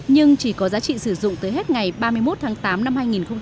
nhưng chỉ có giá trị sử dụng tới hết ngày ba mươi một tháng tám năm hai nghìn hai mươi